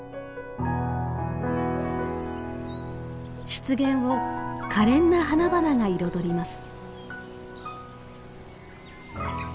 湿原を可憐な花々が彩ります。